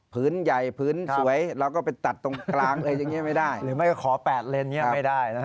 ผืนใหญ่ผืนสวยแล้วเราตัดตรงกลางเลยอีกสิ่งทีไม่ได้